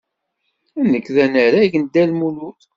Nekk d anarag n Dda Lmulud.